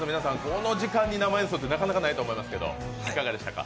この時間に演奏ってなかなかないと思いますけど、いかがでしたか。